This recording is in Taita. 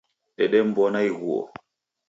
Dedemw'ona ighuo.